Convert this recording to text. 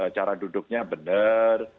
cara duduknya benar